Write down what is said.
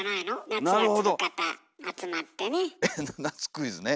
クイズね。